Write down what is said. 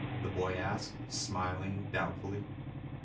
the boy asked, smiling doubtfully.